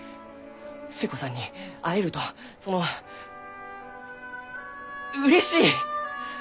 寿恵子さんに会えるとそのうれしい！